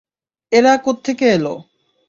এরা কোত্থেকে এলো?